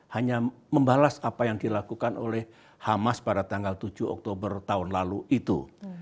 hanya membalas apa yang dilakukan oleh hamas pada tanggal tujuh oktober tahun lalu itu